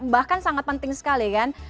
bahkan sangat penting sekali kan